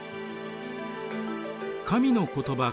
神の言葉